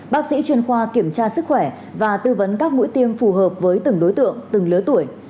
bác sĩ chuyên khoa kiểm tra sức khỏe và tư vấn các mũi tiêm phù hợp với từng đối tượng từng lứa tuổi